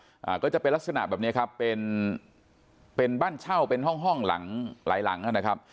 อ่าก็จะเป็นลักษณะแบบเนี้ยครับเป็นเป็นบ้านเช่าเป็นห้องห้องหลังหลายหลังอ่ะนะครับ